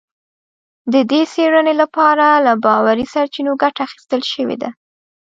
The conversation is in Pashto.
د دې څېړنې لپاره له باوري سرچینو ګټه اخیستل شوې ده